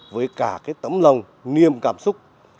với cả cái tấm lòng niềm cảm xúc